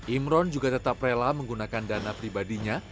imron juga tetap rela menggunakan dana pribadinya